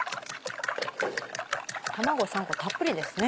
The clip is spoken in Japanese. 卵３個たっぷりですね。